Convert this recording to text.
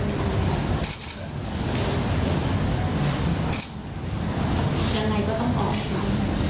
อย่างไรก็ต้องออกมา